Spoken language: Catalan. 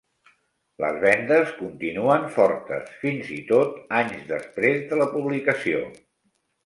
Les vendes continuen fortes, fins i tot anys després de la publicació.